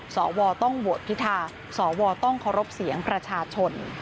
สอบว่าต้องโหวดภิษฐาสอบว่าต้องเคารพเสียงประชาชน